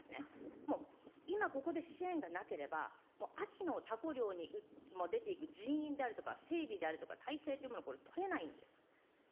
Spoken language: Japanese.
もう今ここで支援がなければもう秋のタコ漁に出ていく人員であるとか、整備であるとか体制というもの、これ、取れないんです。